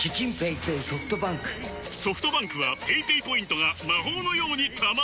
ソフトバンクはペイペイポイントが魔法のように貯まる！